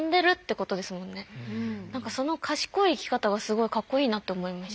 なんかその賢い生き方はすごいかっこいいなと思いました。